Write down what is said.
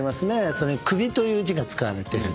それに「首」という字が使われてる。